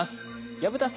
薮田さん